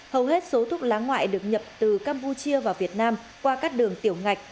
hầu hết số thuốc lá ngoại được nhập từ campuchia vào việt nam qua các đường tiểu ngạch